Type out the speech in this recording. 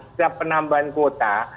setiap penambahan kuota